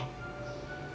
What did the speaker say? kamu bisa berubah